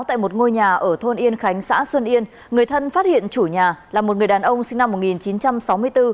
tại một ngôi nhà ở thôn yên khánh xã xuân yên người thân phát hiện chủ nhà là một người đàn ông sinh năm một nghìn chín trăm sáu mươi bốn